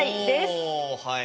おはい。